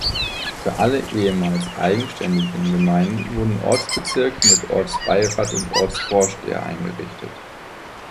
Für alle ehemals eigenständigen Gemeinden wurden Ortsbezirke mit Ortsbeirat und Ortsvorsteher eingerichtet.